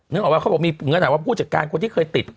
นึกออกว่าเขาบอกมีเงินอาหารว่าผู้จัดการคนที่เคยติด